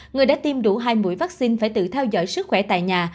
người đã tiêm đủ hai mũi vaccine phải tự theo dõi sức khỏe tại nhà